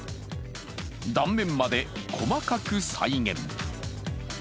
断面まで細かく再現。